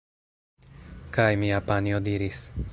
Kaj mia panjo diris: